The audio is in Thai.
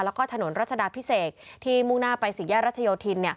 แล้วก็ถนนรัชดาพิเศษที่มุ่งหน้าไปสี่แยกรัชโยธิน